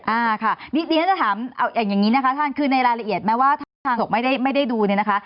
อ่าค่ะนี่ฉันจะถามเอาอย่างนี้นะคะท่านคือในรายละเอียดแม้ว่าท่านบอกไม่ได้ดูเนี่ยนะคะ